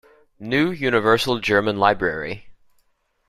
New Universal German Library.